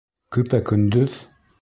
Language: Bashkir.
Көпә-көндөҙ?